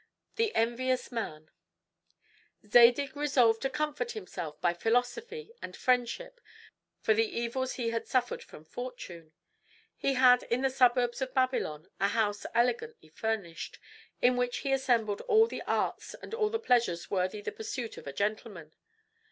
THE ENVIOUS MAN Zadig resolved to comfort himself by philosophy and friendship for the evils he had suffered from fortune. He had in the suburbs of Babylon a house elegantly furnished, in which he assembled all the arts and all the pleasures worthy the pursuit of a gentleman.